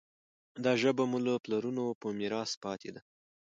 دا ژبه مو له پلرونو په میراث پاتې ده.